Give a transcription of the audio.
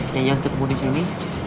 yang jalan ketemu disini